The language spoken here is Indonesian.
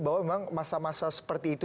bahwa memang masa masa seperti itu